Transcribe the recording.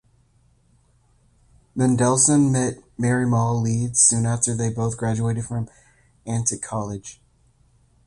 Mendelsohn met Mary Maule Leeds soon after they had both graduated from Antioch College.